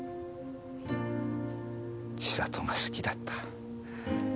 千里が好きだった。